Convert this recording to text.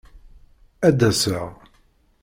Ad d-aseɣ.